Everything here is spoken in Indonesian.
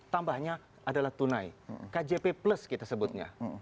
tambahnya adalah tunai kjp plus kita sebutnya